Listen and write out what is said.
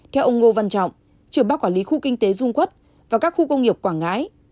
theo ông ngô văn trọng trưởng ban quản lý khu kinh tế dung quốc và các khu công nghiệp quảng ngãi